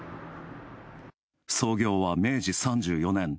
創業は明治３４年。